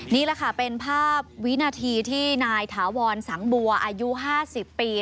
นี่แหละค่ะเป็นภาพวินาทีที่นายถาวรสังบัวอายุ๕๐ปี